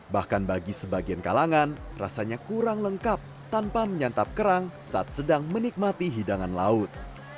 bahkan bagi sebagian kalangan rasanya kurang lengkap tanpa menyantap kerang saat sedang menikmati hidangan laut